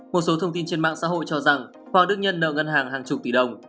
một số thông tin trên mạng xã hội cho rằng hoàng đức nhân nợ ngân hàng hàng chục tỷ đồng